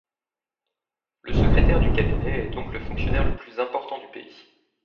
Le Secrétaire du Cabinet est donc le fonctionnaire le plus important du pays.